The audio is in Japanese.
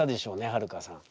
はるかさん。